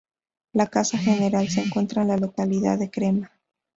La casa general se encuentra en la localidad de Crema.